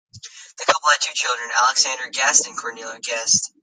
The couple had two children, Alexander Guest and Cornelia Guest.